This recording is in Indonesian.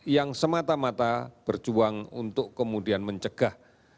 yang semata mata berjuang untuk kemudian mencegah